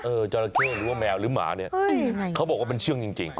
จราเข้หรือว่าแมวหรือหมาเนี่ยเขาบอกว่ามันเชื่องจริง